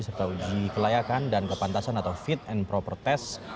serta uji kelayakan dan kepantasan atau fit and proper test